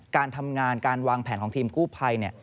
การทำงานการวางแผนของทีมกู้ภัย